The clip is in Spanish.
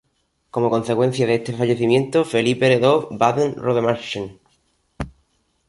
Como consecuencia de este fallecimiento, Felipe heredó Baden-Rodemachern.